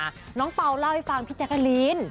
เอาห้องเย็นมาน้องเปล่าเล่าให้ฟังพี่แจกรีน